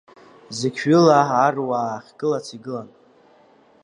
Зықьҩыла аруаа ахьгылац игылан.